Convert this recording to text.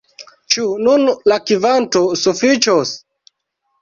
Ĉu nun la kvanto sufiĉos?